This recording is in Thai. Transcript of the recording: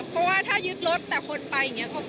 เพราะว่าถ้ายึดรถแต่คนไปอย่างนี้